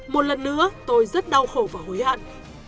một lần nữa tôi rất đau khổ và hối hận